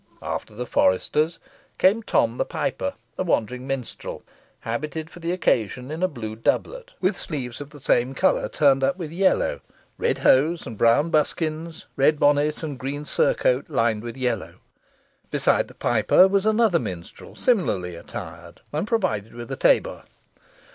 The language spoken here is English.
After the foresters came Tom the Piper, a wandering minstrel, habited for the occasion in a blue doublet, with sleeves of the same colour, turned up with yellow, red hose, and brown buskins, red bonnet, and green surcoat lined with yellow. Beside the piper was another minstrel, similarly attired, and provided with a tabor.